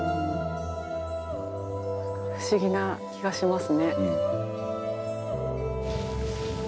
不思議な気がしますね。